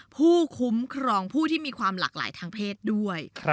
ผู้คุ้มครองผู้ที่มีความหลากหลายทางเพศด้วย